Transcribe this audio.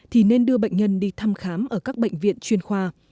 thì nên đưa bệnh nhân đi thăm khám ở các bệnh viện chuyên khoa